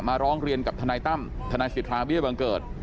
มาร้องเรียนกับทนายตั้มทนายศิษย์ทางวิทยาลัยบังเกิร์ต